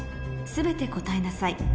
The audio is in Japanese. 全て答えなさい